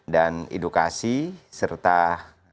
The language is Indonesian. dan edukasi serta apa ya